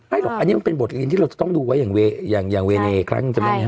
ไม่หรอกอันนี้มันเป็นบทเรียนที่เราจะต้องดูไว้อย่างเวเนครั้งนี้